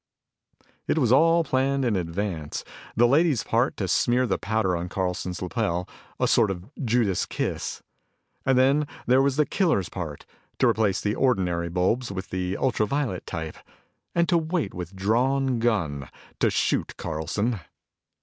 "It was all planned in advance the lady's part to smear the powder on Carlsons' lapel, a sort of Judas kiss. And then there was the killer's part to replace the ordinary bulbs with the ultra violet type, and to wait with drawn gun to shoot Carlson."